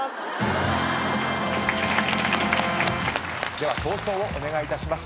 では投票をお願いいたします。